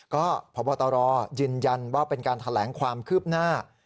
ก็พบตรยืนยันว่าเป็นการแถลงความคืบหน้า